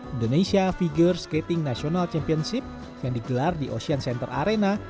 indonesia figure skating national championship yang digelar di ocean center arena